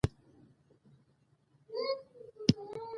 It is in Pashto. خصوصا په پلار بېخي زیات ګران و، پلار یې ډېر تکړه شاعر هم و،